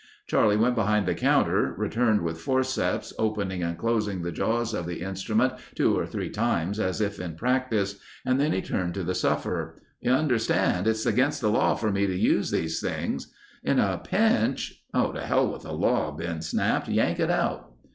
Charlie went behind the counter, returned with forceps, opening and closing the jaws of the instrument two or three times as if in practice and then he turned to the sufferer: "You understand it's against the law for me to use these things. In a pinch—" "To hell with the law," Ben snapped. "Yank it out!"